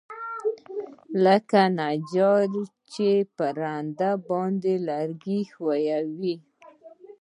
لکه نجار چې په رنده باندى لرګى ښويوي.